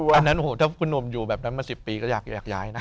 อันนั้นถ้านุ่มอยู่แบบนั้นมาสิบปีก็อยากอยู่แกล้งแย้งนะ